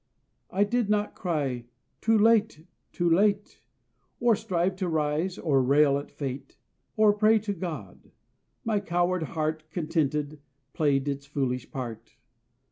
I did not cry "Too late! too late!" Or strive to rise, or rail at Fate, Or pray to God. My coward heart, Contented, played its foolish part.